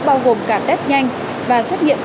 bao gồm cả test nhanh và xét nghiệm pcr